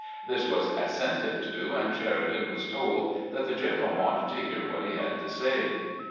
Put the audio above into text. This was assented to, and Sheridan was told that the general wanted to hear what he had to say.